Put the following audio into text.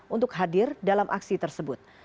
untuk hadir dalam aksi tersebut